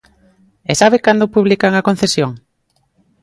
¿E sabe cando publican a concesión?